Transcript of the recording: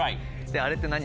あれって。